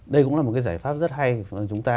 đây cũng là một cái giải pháp rất hay chúng ta